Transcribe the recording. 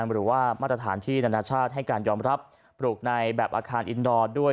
หรือว่ามาตรฐานที่นานาชาติให้การยอมรับปลูกในแบบอาคารอินดอร์ด้วย